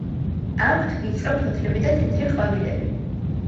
აქვთ ვიწრო ფოთლები და თეთრი ყვავილები.